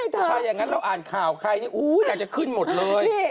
ถ้าอย่างนั้นเราอ่านข่าวใครนี่นางจะขึ้นหมดเลย